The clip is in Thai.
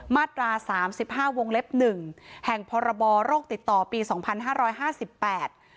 มาตราสามสิบห้าวงเล็บหนึ่งแห่งพรบโรคติดต่อปีสองพันห้าร้อยห้าสิบแปด